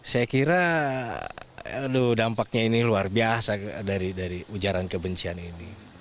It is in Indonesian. saya kira dampaknya ini luar biasa dari ujaran kebencian ini